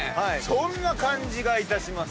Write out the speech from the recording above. そんな感じがいたします。